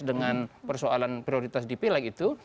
dengan persoalan prioritas di pil leg itu